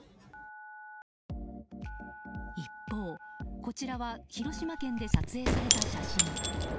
一方、こちらは広島県で撮影された写真。